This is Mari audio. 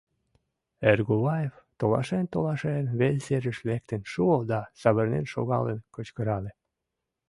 Эргуваев, толашен-толашен, вес серыш лектын шуо да савырнен шогалын кычкырале: